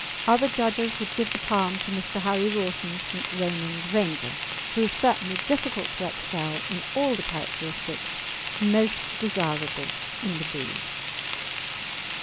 Other judges would give the palm to Mr. Harry Rawson's St. Ronan's Ranger, who is certainly difficult to excel in all the characteristics most desirable in the breed.